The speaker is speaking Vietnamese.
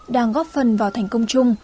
đang góp phần vào thành công chung